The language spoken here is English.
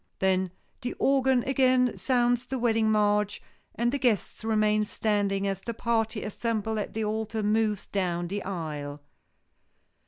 Then the organ again sounds the wedding march, and the guests remain standing as the party assembled at the altar moves down the aisle.